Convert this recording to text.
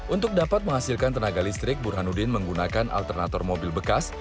untuk dapat menghasilkan tenaga listrik burhanuddin menggunakan alternatif mobil bekas